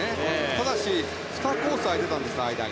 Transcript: ただし、２コース間が空いてたんです。